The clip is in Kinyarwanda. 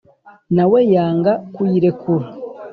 nawe yanga kuyirekura.